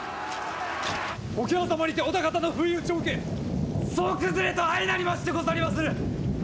桶狭間にて織田方の不意打ちを受け総崩れと相なりましてござりまする！